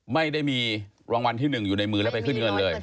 ไม่ได้มีรางวัลที่๑อยู่ในมือแล้วไปขึ้นเงินเลย